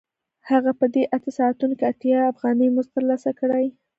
هغه په دې اته ساعتونو کې اتیا افغانۍ مزد ترلاسه کوي